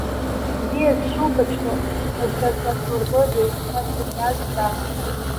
Бзиа сшубаҵәҟьо агәра зласургозеи ҳәа саниазҵаа.